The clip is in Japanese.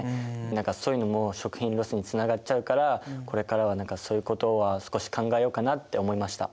何かそういうのも食品ロスにつながっちゃうからこれからはそういうことは少し考えようかなって思いました。